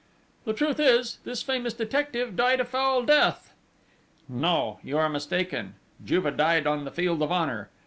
"The truth is, this famous detective died a foul death!" "No! You are mistaken! Juve died on the field of honour!